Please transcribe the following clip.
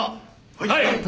はい！